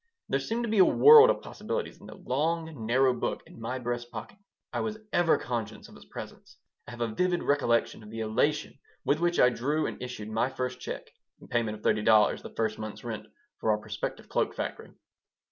There seemed to be a world of possibilities in the long, narrow book in my breast pocket. I was ever conscious of its presence. I have a vivid recollection of the elation with which I drew and issued my first check (in payment of thirty dollars, the first month's rent for our prospective cloak factory).